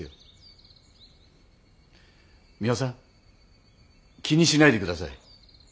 ミワさん気にしないで下さい。